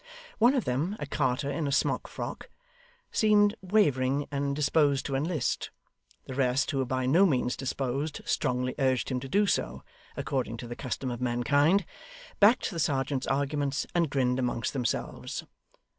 One of them, a carter in a smockfrock, seemed wavering and disposed to enlist. The rest, who were by no means disposed, strongly urged him to do so (according to the custom of mankind), backed the serjeant's arguments, and grinned among themselves.